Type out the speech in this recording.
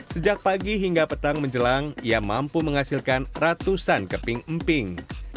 sejak pagi hingga petang menjelang ia mampu menghasilkan ratusan keping emping